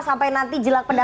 sampai nanti jelak pendampingan